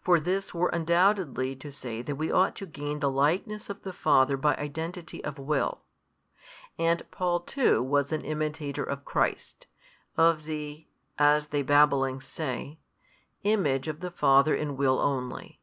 For this were undoubtedly to say that we ought to gain the likeness of the Father by identity of will. And Paul too was an imitator of Christ, of the (as they babbling say) Image of the Father in will only.